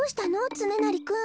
つねなりくん。